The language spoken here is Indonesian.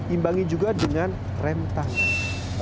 imbangi juga dengan rem tangan